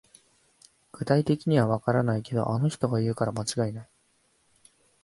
具体的にはわからないけど、あの人が言うから間違いない